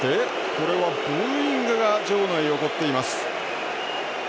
これはブーイングが場内、起こっています。